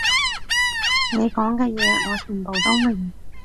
你講嘅嘢我全部都明